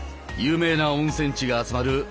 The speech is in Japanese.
有名な温泉地が集まる